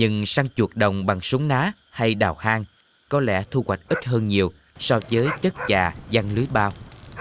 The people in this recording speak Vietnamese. nhưng săn chuột đồng bằng súng ná hay đào hang có lẽ thu hoạch ít hơn nhiều so với chất trà răng lưới bao